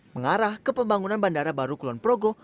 mengarah ke pembangunan bandara baru kulon progo